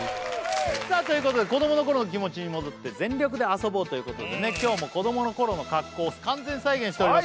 さあということで子供の頃の気持ちに戻って全力で遊ぼうということでね今日も子供の頃の格好を完全再現しております